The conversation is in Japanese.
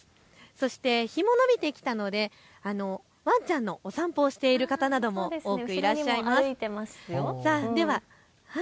そして日ものびてきたのでワンちゃんのお散歩をしている方なども多くいらっしゃいます。